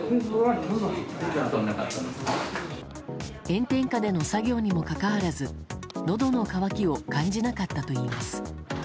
炎天下での作業にもかかわらずのどの渇きを感じなかったといいます。